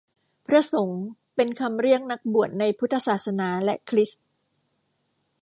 พระสงฆ์เป็นคำเรียกนักบวชในพุทธศาสนา และคริสต์